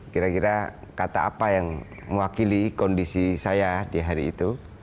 kira kira kata apa yang mewakili kondisi saya di hari itu